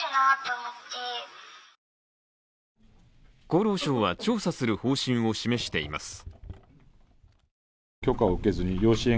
厚労省は調査する方針を示しています。